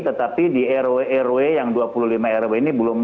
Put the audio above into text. tetapi di rw rw yang dua puluh lima rw ini belum